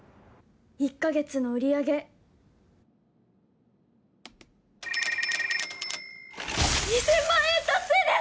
１か月の売上２０００万円達成です！